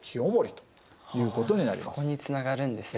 そこにつながるんですね。